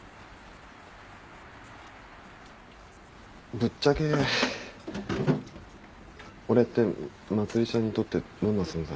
ぶっちゃけ俺って茉莉ちゃんにとってどんな存在？